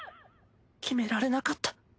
決められなかった。